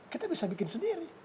kita bisa bikin sendiri